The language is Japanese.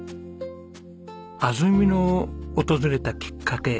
安曇野を訪れたきっかけ